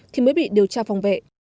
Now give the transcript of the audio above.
thì mới bị điều tra phòng vệ